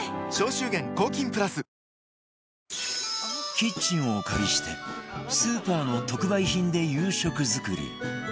キッチンをお借りしてスーパーの特売品で夕食作り